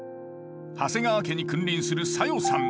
長谷川家に君臨する小夜さん。